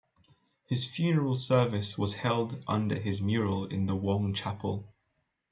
His funeral service was held under his mural in the Wong Chapel.